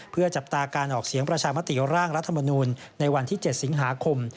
เพื่อจับตาการออกเสียงประชามติร่างรัฐมนูลในวันที่๗สิงหาคม